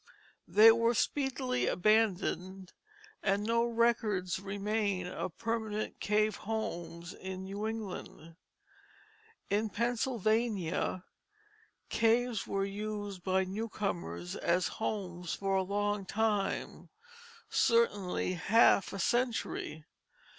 They were speedily abandoned, and no records remain of permanent cave homes in New England. In Pennsylvania caves were used by newcomers as homes for a long time, certainly half a century.